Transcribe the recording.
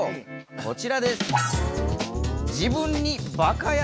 こちらです。